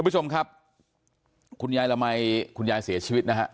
คุณผู้ชมครับคุณยายละมัยคุณยายเสียชีวิตนะฮะ